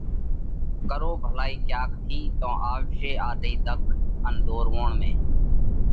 ڪرو ڀلائِي ڪياڪ ٿِي، تو آوشي آڏئِي ۮک ان ۮورووڻ ۾!